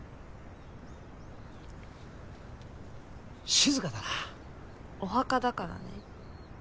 静かだな。お墓だからね。